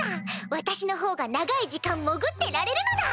私のほうが長い時間潜ってられるのだ！